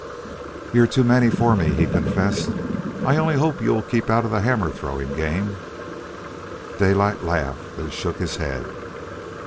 "You're too many for me," he confessed. "I only hope you'll keep out of the hammer throwing game." Daylight laughed and shook his head.